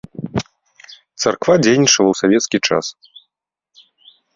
Царква дзейнічала ў савецкі час.